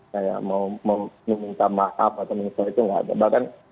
kayak mau meminta maaf atau menyesal itu tidak ada bahkan